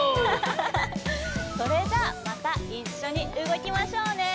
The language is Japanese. それじゃあまたいっしょにうごきましょうね！